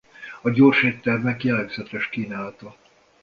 A gyorséttermek jellegzetes kínálata.